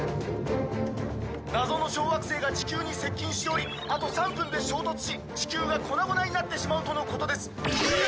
「謎の小惑星が地球に接近しておりあと３分で衝突し地球が粉々になってしまうとのことです」ええ！？